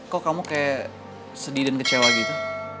kok kamu kayak sedih dan kecewa gitu